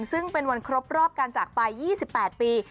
ซึ่งเป็นวันครบรอบการจากไป๒๘ปี